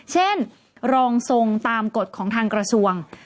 เช่นรองทรงตามกฎของทางกระทรวง